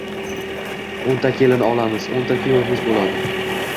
O‘nta kelin olamiz, o‘nta kuyovimiz bo‘ladi…